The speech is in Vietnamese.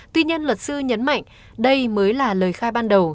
tuy nhiên luật sư nhấn mạnh đây mới là lời khai ban đầu